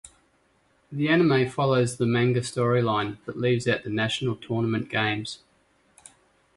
The anime follows the manga storyline, but leaves out the National Tournament games.